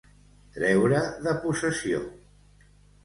Treure de possessió.